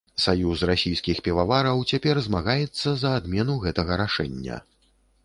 Саюз расійскіх півавараў цяпер змагаецца за адмену гэтага рашэння.